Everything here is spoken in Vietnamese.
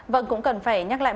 vâng cũng cần phải nhắc lại